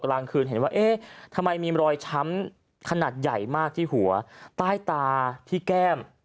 กลางคืนเห็นว่าเอ๊ะทำไมมีรอยช้ำขนาดใหญ่มากที่หัวใต้ตาที่แก้ม